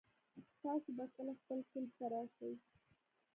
تاسو به کله خپل کلي ته راشئ